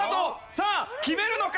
さあ決めるのか？